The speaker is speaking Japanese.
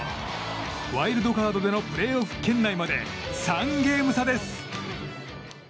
ワイルドカードでのプレーオフ圏内まで３ゲーム差です。